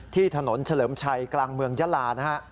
ที่ถนนเฉลิมชัยกลางเมืองยาลานะฮะ